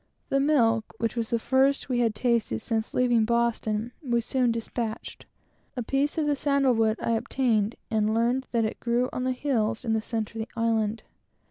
The milk, which was the first we had tasted since leaving Boston, we soon despatched; a piece of the sandal wood I obtained, and learned that it grew on the hills in the centre of the island.